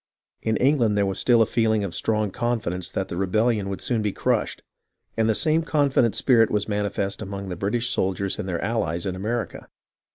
In Eng land there was still a feeling of strong confidence that the rebellion would soon be crushed, and the same confident spirit was manifest among the British soldiers and their allies in America.